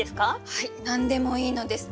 はい何でもいいのです。